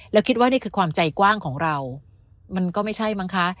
แล้วคิดว่านี่คือความใจกว้างของเรามันก็ไม่ใช่มั้งคะ